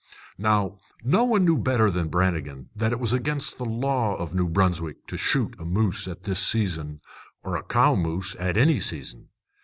Now, no one knew better than Brannigan that it was against the law of New Brunswick to shoot a moose at this season, or a cow moose at any season.